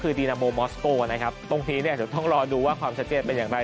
คือดีนาโมมอสโกนะครับตรงนี้เนี่ยเดี๋ยวต้องรอดูว่าความชัดเจนเป็นอย่างไร